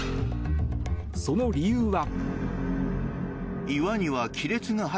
その理由は。